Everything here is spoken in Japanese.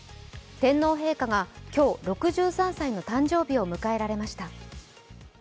天皇陛下が今日、６３歳の誕生日を迎えられました。